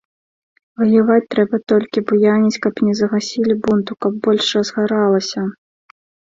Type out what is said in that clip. Ваяваць трэба толькі, буяніць, каб не загасілі бунту, каб больш разгаралася.